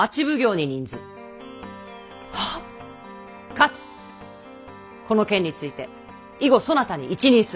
かつこの件について以後そなたに一任す。